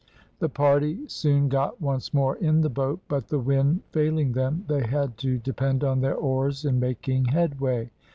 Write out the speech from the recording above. The party soon got once more in the boat, but the wind failing them they had to depend on their oars in making headway.